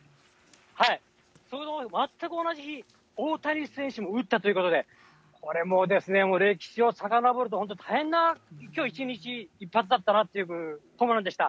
それと全く同じ日、大谷選手も打ったということで、これもうですね、歴史をさかのぼると本当、大変なきょう一日、一発だったなというホームランでした。